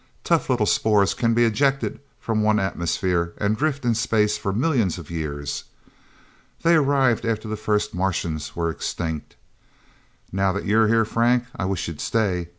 Tough little spores can be ejected from one atmosphere, and drift in space for millions of years... They arrived after the first Martians were extinct. Now that you're here, Frank, I wish you'd stay.